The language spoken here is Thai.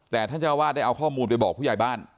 แต่ท่านเจ้าวาดได้เอาข้อมูลไปบอกผู้ใหญ่บ้าน